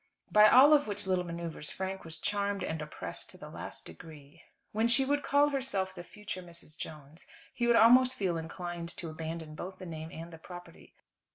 By all of which little manoeuvres Frank was charmed and oppressed to the last degree. When she would call herself the "future Mrs. Jones," he would almost feel inclined to abandon both the name and the property.